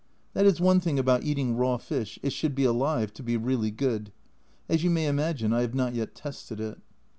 That is one thing about eating raw fish, it should be alive to be really good. As you may imagine, I have not yet tested it.